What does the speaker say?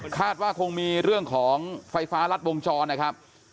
คาดว่าคงมีเรื่องของไฟฟ้ารัดวงจรนะครับ